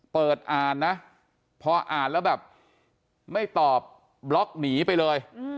เปิดอ่านนะพออ่านแล้วแบบไม่ตอบบล็อกหนีไปเลย